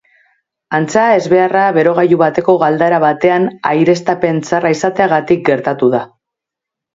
Antza, ezbeharra berogailu bateko galdara batean aireztapen txarra izateagatik gertatu da.